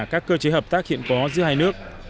các cơ chế hợp tác hiện có giữa hai nước